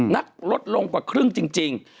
ลดลงกว่าครึ่งจริง